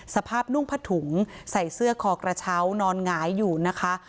สภาพนุ่งผ้าถุงใส่เสื้อคอกระเช้านอนหงายอยู่นะคะ